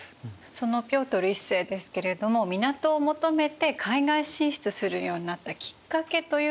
そのピョートル１世ですけれども港を求めて海外進出するようになったきっかけというのはあるんですか？